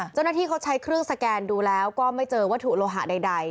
เจ้าหน้าที่เขาใช้เครื่องสแกนดูแล้วก็ไม่เจอวัตถุโลหะใด